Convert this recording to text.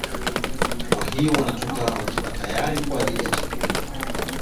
Kwa hiyo wanatoka wakiwa tayari kwa ajili ya chakula